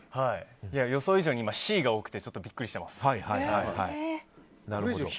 予想以上にＣが多くてちょっとビックリしてます。